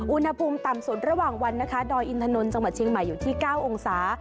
อุณหภูมิต่ำสุดระหว่างวันนะคะดอยอินทนนท์จังหวัดเชียงใหม่อยู่ที่๙องศา